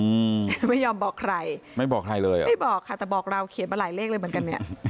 อืมไม่ยอมบอกใครไม่บอกใครเลยอ่ะไม่บอกค่ะแต่บอกเราเขียนมาหลายเลขเลยเหมือนกันเนี้ย